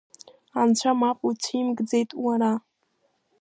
Анцәа мап уцәимкӡеит уара.